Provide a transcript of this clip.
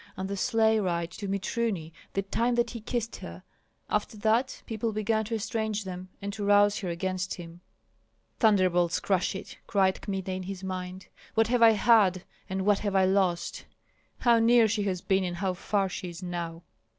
And the sleigh ride to Mitruny, the time that he kissed her! After that, people began to estrange them, and to rouse her against him. "Thunderbolts crush it!" cried Kmita, in his mind. "What have I had and what have I lost? How near she has been and how far is she now!"